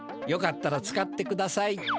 よかったら使ってください。